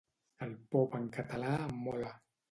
El pop en català em mola.